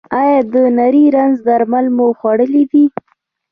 ایا د نري رنځ درمل مو خوړلي دي؟